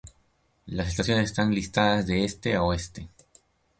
Las estaciones están listadas de este a oeste.